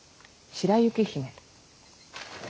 白雪姫。